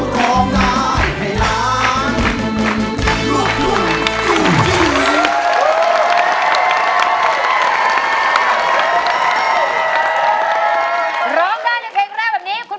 ร้องได้ให้ร้อง